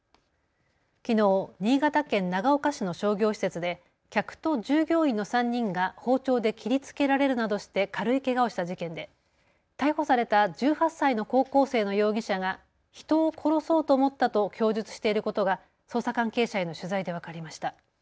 きのう新潟県長岡市の商業施設で客と従業員の３人が包丁で切りつけられるなどして軽いけがをした事件で逮捕された１８歳の高校生の容疑者が人を殺そうと思ったと供述していることが捜査関係者への取材で分かりました。